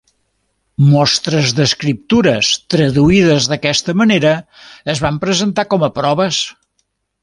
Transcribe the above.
Mostres d'escriptures traduïdes d'aquesta manera es van presentar com a proves.